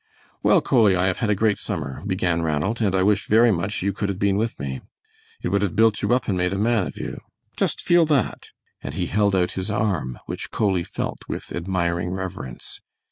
"Well, Coley, I have had a great summer," began Ranald, "and I wish very much you could have been with me. It would have built you up and made a man of you. Just feel that," and he held out his arm, which Coley felt with admiring reverence.